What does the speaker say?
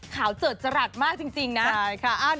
ขาวเจริญจรัดมากจริงนะใช่ค่ะอ้าวเดี๋ยว